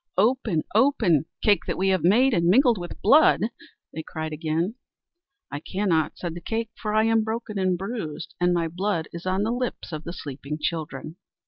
"Open, open, cake that we have made and mingled with blood!" they cried again. "I cannot," said the cake, "for I am broken and bruised, and my blood is on the lips of the sleeping children."